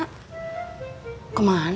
di kamar juga nggak ada